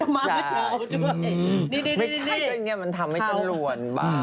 ไม่ใช่เงี้ยมันทำให้ชั้นหลวนบ้าง